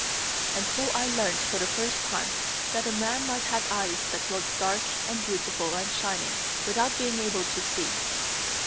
And so I learnt for the first time that a man might have eyes that looked dark and beautiful and shining without being able to see.